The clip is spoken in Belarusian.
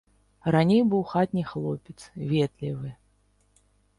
Раней быў хатні хлопец, ветлівы.